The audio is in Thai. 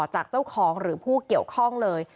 จากเจ้าของหรือผู้เกี่ยวข้องเลย